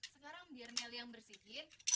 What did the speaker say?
sekarang biar nelly yang bersihkan